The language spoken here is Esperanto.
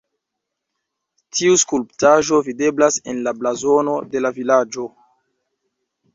Tiu skulptaĵo videblas en la blazono de la vilaĝo.